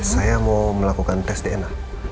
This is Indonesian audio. saya mau melakukan tes dna